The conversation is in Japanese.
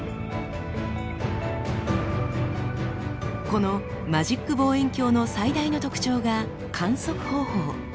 このマジック望遠鏡の最大の特徴が観測方法。